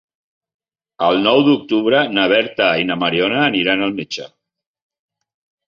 El nou d'octubre na Berta i na Mariona aniran al metge.